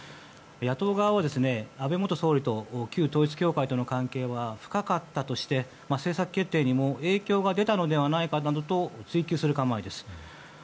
野党側は、安倍元総理と旧統一教会との関係は深かったとして政策決定にも影響が出たのではないかと追及する構えです。